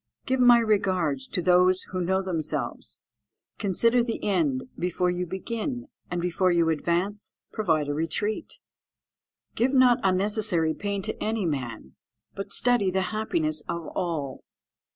_ "Give my regards to those who know themselves. "Consider the end before you begin, and before you advance provide a retreat. "Give not unnecessary pain to any man, but study the happiness of all.